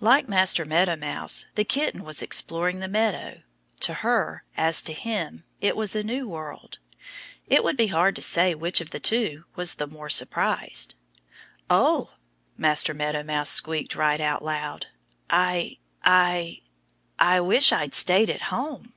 Like Master Meadow Mouse, the kitten was exploring the meadow. To her, as to him, it was a new world. It would be hard to say which of the two was the more surprised. "Oh!" Master Meadow Mouse squeaked right out loud. "I I I wish I'd stayed at home."